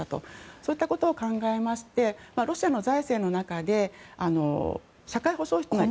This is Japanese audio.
そういったことを考えましてロシアの財政の中で社会保障費というのは。